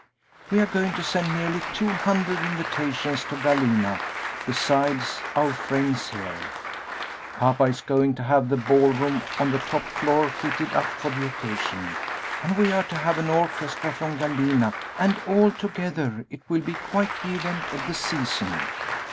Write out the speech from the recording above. We are going to send nearly two hundred invitations to Galena, besides our friends here. Papa is going to have the ball room on the top floor fitted up for the occasion, and we are to have an orchestra from Galena, and altogether it will be quite 'the event of the season.'